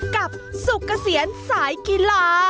กับสุกระเสียนสายกีฬา